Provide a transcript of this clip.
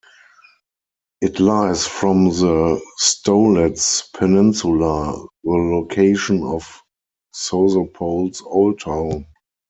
It lies from the Stolets peninsula, the location of Sozopol's Old Town.